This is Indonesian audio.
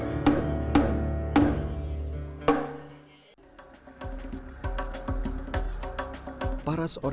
tahlilan itu biasa